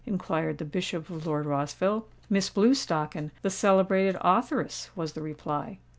inquired the Bishop of Lord Rossville. "Miss Blewstocken, the celebrated authoress," was the reply.